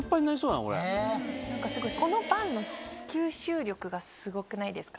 何かこのパンの吸収力がすごくないですか？